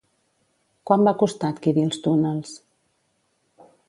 Quant va costar adquirir els túnels?